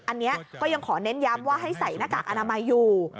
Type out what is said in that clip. อันนี้ก็ยังขอเน้นย้ำว่าให้ใส่หน้ากากอนามัยอยู่